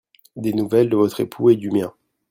Des nouvelles de votre époux et du mien.